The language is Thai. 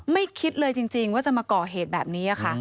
คิดเลยจริงว่าจะมาก่อเหตุแบบนี้ค่ะ